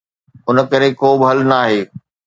ان ڪري ڪو به حل ناهي.